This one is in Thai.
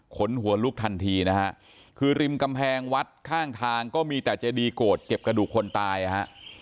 ขนหัวลุกทันทีนะฮะคือริมกำแพงวัดข้างทางก็มีแต่เจดีโกรธเก็บกระดูกคนตายนะฮะ